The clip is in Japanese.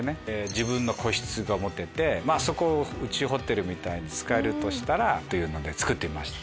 自分の個室が持てて宇宙ホテルみたいに使えたらっていうので作ってみました。